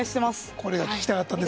これが聞きたかったんです。